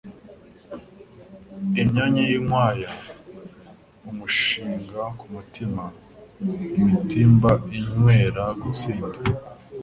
Imyama y'inkwaya imushinga ku mutima, imitimba inywera gusinda,